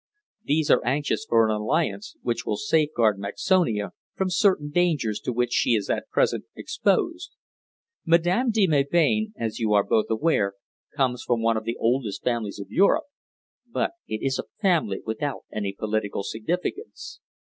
These are anxious for an alliance which will safeguard Mexonia from certain dangers to which she is at present exposed. Madame de Melbain, as you are both aware, comes from one of the oldest families of Europe, but it is a family without any political significance.